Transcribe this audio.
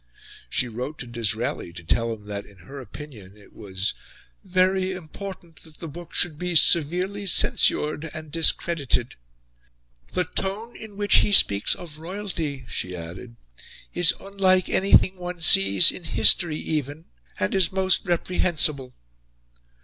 She wrote to Disraeli to tell him that in her opinion it was "VERY IMPORTANT that the book should be severely censured and discredited." "The tone in which he speaks of royalty," she added, "is unlike anything one sees in history even, and is most reprehensible."